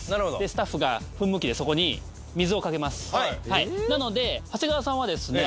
スタッフが噴霧器でそこに水をかけますなので長谷川さんはですね